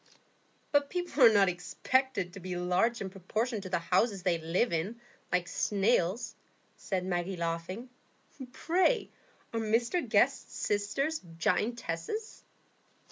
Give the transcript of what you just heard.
"But people are not expected to be large in proportion to the houses they live in, like snails," said Maggie, laughing. "Pray, are Mr Guest's sisters giantesses?"